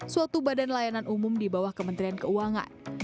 suatu badan layanan umum di bawah kementerian keuangan